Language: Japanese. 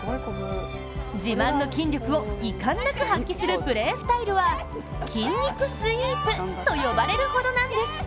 自慢の筋力を遺憾なく発揮するプレースタイルは、筋肉スイープと呼ばれるほどなんです。